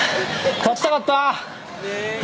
勝ちたかった！